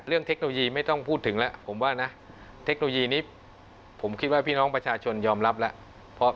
เทคโนโลยีไม่ต้องพูดถึงแล้วผมว่านะเทคโนโลยีนี้ผมคิดว่าพี่น้องประชาชนยอมรับแล้ว